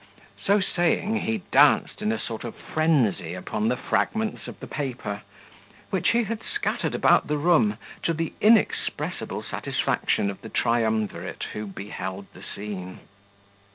So saying, he danced in a sort of frenzy upon the fragments of the paper, which he had scattered about the room, to the inexpressible satisfaction of the triumvirate, who beheld the scene.